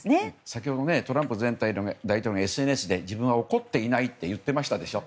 先ほどトランプ前大統領がＳＮＳで自分は怒っていないと言っていましたでしょ。